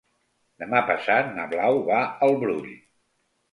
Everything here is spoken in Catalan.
Demà passat na Blau va al Brull.